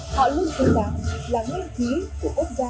họ luôn tin rằng là nguyên khí của quốc gia